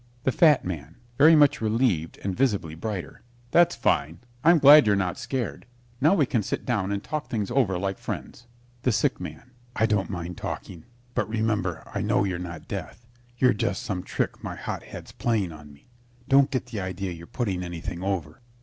THE FAT MAN (very much relieved and visibly brighter) That's fine. I'm glad you're not scared. Now we can sit down and talk things over like friends. THE SICK MAN I don't mind talking, but remember I know you're not Death. You're just some trick my hot head's playing on me. Don't get the idea you're putting anything over.